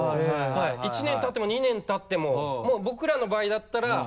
１年たっても２年たってももう僕らの場合だったら。